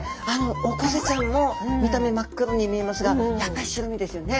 オコゼちゃんも見た目真っ黒に見えますがやっぱり白身ですよね。